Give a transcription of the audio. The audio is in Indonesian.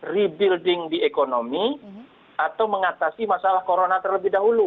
rebuilding the economy atau mengatasi masalah corona terlebih dahulu